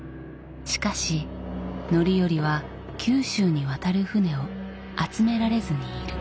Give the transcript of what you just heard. しかし範頼は九州に渡る船を集められずにいる。